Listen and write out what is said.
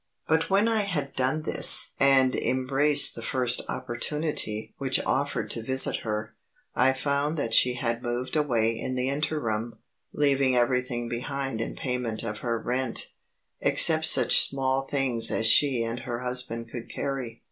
But when I had done this and embraced the first opportunity which offered to visit her, I found that she had moved away in the interim, leaving everything behind in payment of her rent, except such small things as she and her husband could carry.